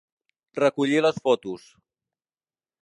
Recollir les fotos.